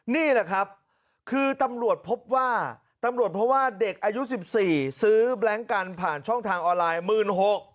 นี่แหละครับคือตำรวจพบว่าตำรวจเพราะว่าเด็กอายุ๑๔ซื้อแบล็งกันผ่านช่องทางออนไลน์๑๖๐๐บาท